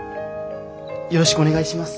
よろしくお願いします。